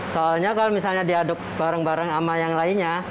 soalnya kalau misalnya diaduk bareng bareng sama yang lainnya